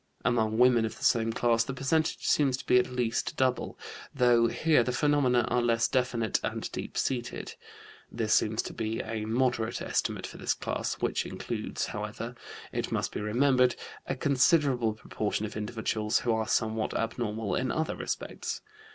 Among women of the same class the percentage seems to be at least double, though here the phenomena are less definite and deep seated. This seems to be a moderate estimate for this class, which includes, however, it must be remembered, a considerable proportion of individuals who are somewhat abnormal in other respects.